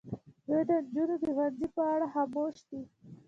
دوی د نجونو د ښوونځي په اړه خاموش دي.